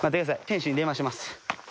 天心に電話します。